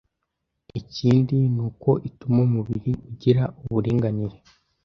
Ikindi ni uko ituma umubiri ugira uburinganire.